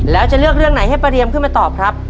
แล้วจะเลือกเรื่องไหนให้ประเรียมขึ้นมาตอบครับ